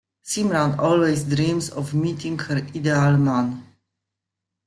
Simran always dreams of meeting her ideal man.